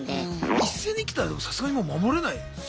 一斉に来たらでもさすがにもう守れないっすよね。